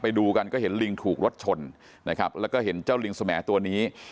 ไปดูกันก็เห็นลิงถูกรถชนนะครับแล้วก็เห็นเจ้าลิงสมแอตัวนี้